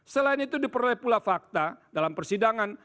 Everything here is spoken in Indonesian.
selain itu diperoleh pula fakta dalam persidangan